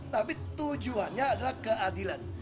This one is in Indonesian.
tapi tujuannya adalah keadilan